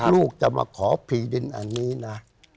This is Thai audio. ลูกจะมาขอผีดินอันนี้นะ